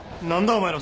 お前ら。